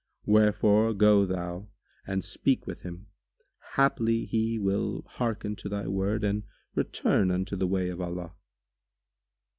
Wherefore go thou and speak with him: haply he will hearken to thy word and return unto the way of Allah."